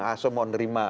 ah saya mau nerima